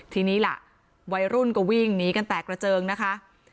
ทีนี้ล่ะวัยรุ่นก็วิ่งหนีกันแตกกระเจิงนะคะ